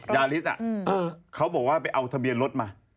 ยาริสเขาบอกว่าไปเอาทะเบียนรถมา